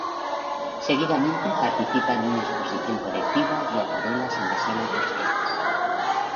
Seguidamente, participa en una exposición colectiva de acuarelas en la Sala Busquets.